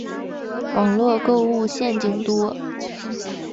网路购物陷阱多